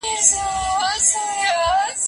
اقتصاد پوهنځۍ په ناسمه توګه نه رهبري کیږي.